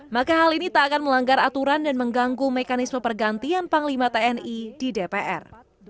maka hal ini tak akan melanggar aturan dan mengganggu mekanisme pergantian panglima tni di dpr